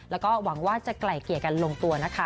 แล้วก็หวังว่าจะไกล่เกลี่ยกันลงตัวนะคะ